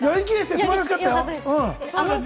素晴らしかったよ。